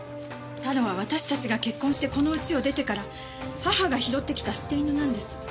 タロは私たちが結婚してこの家を出てから母が拾ってきた捨て犬なんです。